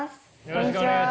こんにちは。